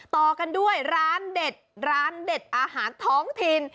ต่อกันด้วยร้านเด็ดร้านเด็ดอาหารท้องถิ่น